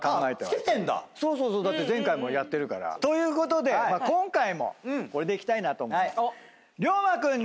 付けてんだ⁉だって前回もやってるから。ということで今回もこれでいきたいなと思います。